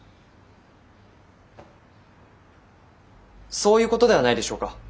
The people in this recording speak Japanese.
そういうことではないでしょうか？